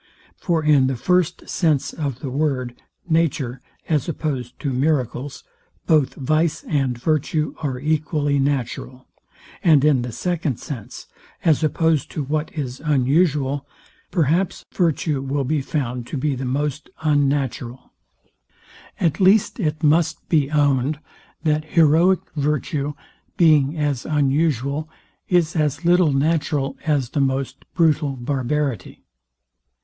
For in the first sense of the word, Nature, as opposed to miracles, both vice and virtue are equally natural; and in the second sense, as opposed to what is unusual, perhaps virtue will be found to be the most unnatural. At least it must be owned, that heroic virtue, being as unusual, is as little natural as the most brutal barbarity.